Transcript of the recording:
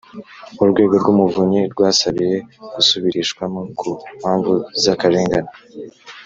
urwego rw’umuvunyi rwasabiye gusubirishwamo ku mpamvu z’akarengane